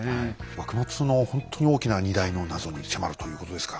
幕末のほんとに大きな２大の謎に迫るということですか。